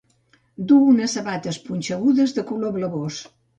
Du unes sabates punxegudes de color blavós.